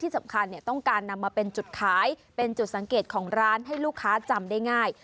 สำคัญต้องการนำมาเป็นจุดขายเป็นจุดสังเกตของร้านให้ลูกค้าจำได้ง่าย